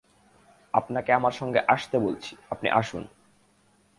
আপনাকে আমার সঙ্গে আসতে বলছি-আপনি আসুন।